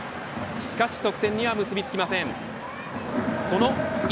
しかし得点には結び付きません。